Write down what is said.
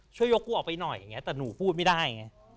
ช่วยยกกูออกไปหน่อยแต่หนูพูดไม่ได้